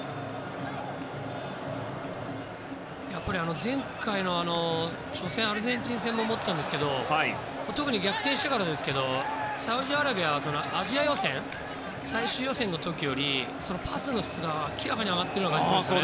やっぱり前回の初戦のアルゼンチン戦も思いましたが特に逆転してからですけどサウジアラビアはアジア予選、最終予選の時よりパスの質が明らかに上がっていますよね。